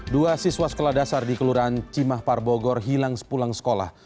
dua siswa sekolah dasar di kelurahan cimah parbogor hilang sepulang sekolah